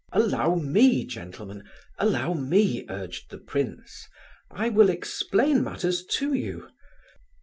"Allow me, gentlemen, allow me," urged the prince. "I will explain matters to you.